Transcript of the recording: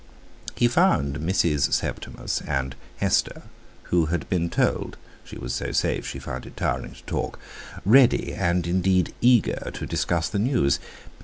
He found Mrs. Septimus and Hester (who had been told—she was so safe, she found it tiring to talk) ready, and indeed eager, to discuss the news.